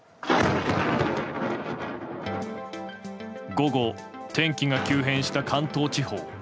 午後、天気が急変した関東地方。